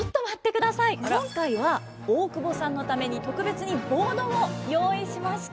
今回は大久保さんのために特別にボードを用意しました。